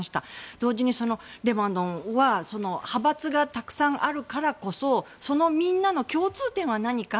同時に、レバノンは派閥がたくさんあるからこそそのみんなの共通点は何か。